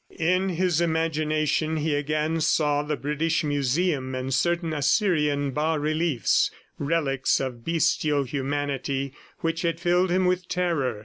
In his imagination he again saw the British Museum and certain Assyrian bas reliefs relics of bestial humanity, which had filled him with terror.